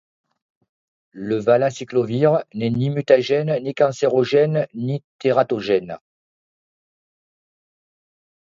Le valaciclovir n’est ni mutagène, ni cancérogène et ni tératogène.